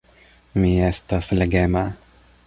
Mi estas legema.